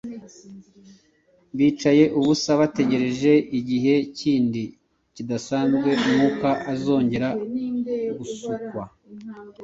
bicaye ubusa bategereje igihe kindi kidasanzwe Mwuka azongera gusukwa.